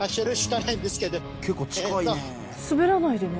結構近いね。